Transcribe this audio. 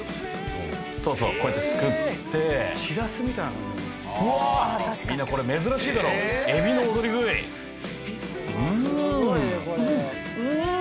そうそうこうやってすくってみんなこれ珍しいだろエビの踊り食いうーんうーん！